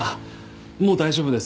もう大丈夫です。